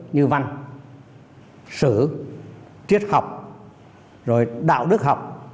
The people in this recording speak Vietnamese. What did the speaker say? như văn sử triết học rồi đạo đức học